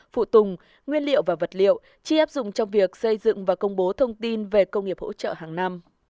phụ tùng nguyên liệu và vật liệu chỉ áp dụng trong việc xây dựng và công bố thông tin về công nghiệp hỗ trợ hàng năm